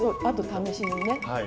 あと試し縫いね。